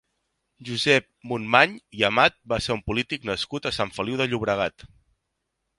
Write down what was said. Josep Monmany i Amat va ser un polític nascut a Sant Feliu de Llobregat.